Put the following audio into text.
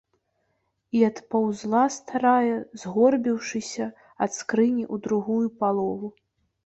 І адпаўзла старая, згорбіўшыся, ад скрыні ў другую палову.